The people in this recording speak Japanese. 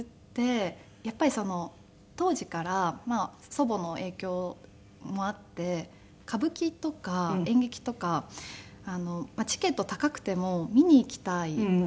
やっぱりその当時から祖母の影響もあって歌舞伎とか演劇とかチケット高くても見に行きたいってすごく思っていたので。